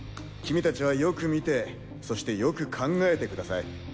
君達はよく見てそしてよく考えてください。